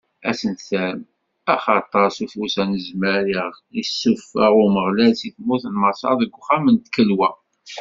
Ad sen-terrem: Axaṭer, s ufus anezmar, i ɣ-d-issufeɣ Umeɣlal si tmurt n Maṣer, seg uxxam n tkelwa.